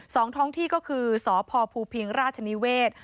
สองท้องที่ก็คือสพภูพิงราชนิเวศ